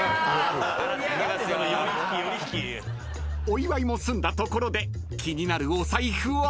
［お祝いも済んだところで気になるお財布は？］